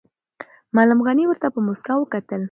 معلم غني ورته په موسکا وکتل.